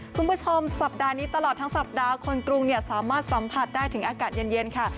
คุณผู้ชมสัปดาห์นี้ตลอดทั้งสัปดาห์คนกรุงสามารถสัมผัสได้ถึงอากาศเย็นค่ะ